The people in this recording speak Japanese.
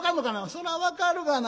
「そら分かるがな。